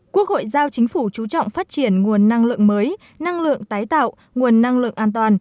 quốc hội giao chính phủ chú trọng phát triển nguồn năng lượng mới năng lượng tái tạo nguồn năng lượng an toàn